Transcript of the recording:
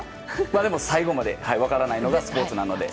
でも、最後まで分からないのがスポーツなので。